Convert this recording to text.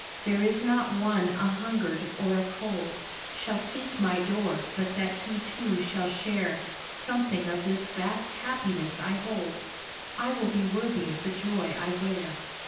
There is not one a hungered or a cold Shall seek my door but that he too shall share Something of this vast happiness I hold; I will be worthy of the joy I wear.